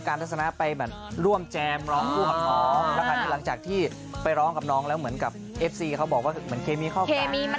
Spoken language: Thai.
คุณที่ได้มั้ยว่าของน้องการ์ติดตามจากที่มีซิงคลแบบว่าไปเร็วเต้นอะไรยิงมั้ย